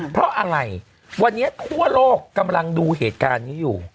เพราะอะไรวันนี้ทั่วโลกกำลังดูเหตุการณ์นี้อยู่